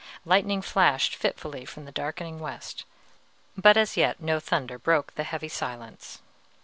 Lightning flashed fitfully from the darkening west; but as yet no thunder broke the heavy silence.